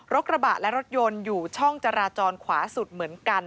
กระบะและรถยนต์อยู่ช่องจราจรขวาสุดเหมือนกัน